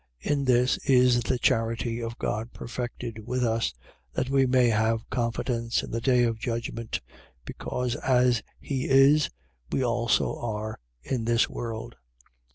4:17. In this is the charity of God perfected with us, that we may have confidence in the day of judgment: because as he is, we also are in this world.